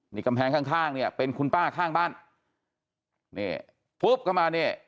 นี่กำแพงข้างข้างเนี่ยเป็นคุณป้าข้างบ้านนี่ปุ๊บเข้ามาเนี่ย